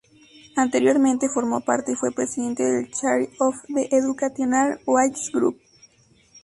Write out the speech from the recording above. Anteriormente formó parte y fue presidente del Chair of the Educational Writers Group.